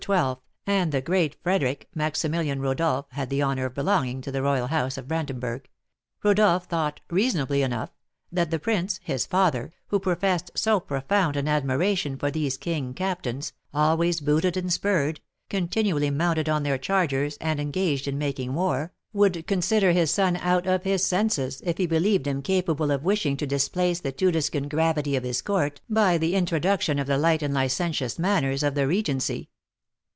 and the great Frederic (Maximilian Rodolph had the honour of belonging to the royal house of Brandenburg), Rodolph thought, reasonably enough, that the prince, his father, who professed so profound an admiration for these king captains, always booted and spurred, continually mounted on their chargers, and engaged in making war, would consider his son out of his senses if he believed him capable of wishing to displace the Tudescan gravity of his court by the introduction of the light and licentious manners of the Regency.